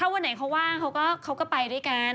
วันไหนเขาว่างเขาก็ไปด้วยกัน